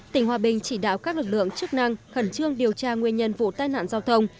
tỉnh hòa bình chỉ đạo các lực lượng chức năng khẩn trương điều tra nguyên nhân vụ tai nạn giao thông